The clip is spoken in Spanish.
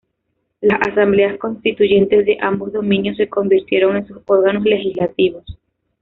Las asambleas constituyentes de ambos dominios se convirtieron en sus órganos legislativos.